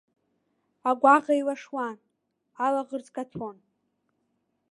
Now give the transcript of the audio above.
Агәаӷ еилашуан, алаӷырӡ каҭәон.